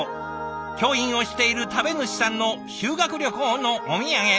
教員をしている食べ主さんの修学旅行のお土産。